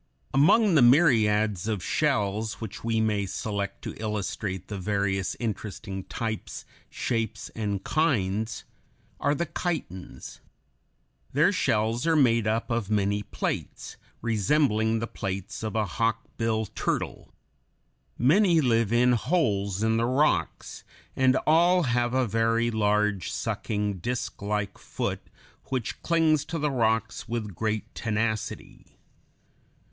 ] Among the myriads of shells which we may select to illustrate the various interesting types, shapes, and kinds, are the Chitons (Fig. 101). Their shells are made up of many plates resembling the plates of a hawkbill turtle. Many live in holes in the rocks, and all have a very large, sucking, disklike foot which clings to the rocks with great tenacity.